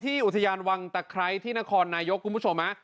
เจ้าหน้าที่อุทยานวังตะครัยที่นครนายกคุณผู้ชมนะ